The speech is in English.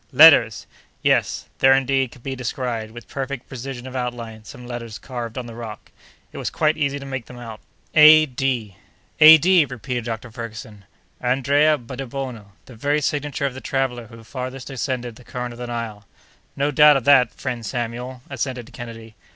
"Letters!" Yes; there, indeed, could be descried, with perfect precision of outline, some letters carved on the rock. It was quite easy to make them out: "A. D." "A.D.!" repeated Dr. Ferguson. "Andrea Debono—the very signature of the traveller who farthest ascended the current of the Nile." "No doubt of that, friend Samuel," assented Kennedy.